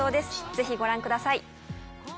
ぜひご覧ください